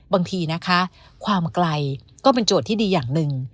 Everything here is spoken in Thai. บางทีนะคะความไกลก็เป็นโจทย์ที่ดีอย่างหนึ่ง